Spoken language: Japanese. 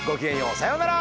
さようなら！